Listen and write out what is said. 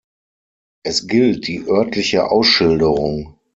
Es gilt die örtliche Ausschilderung.